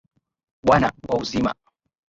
Bwana wa uzima.